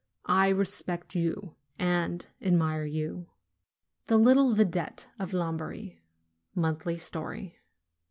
I respect you and admire you!" THE LITTLE VIDETTE OF LOMBARDY (Monthly Story.)